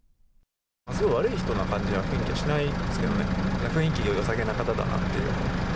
すごい悪い人な感じはしないんですけどね、雰囲気がよさげな方だなっていう。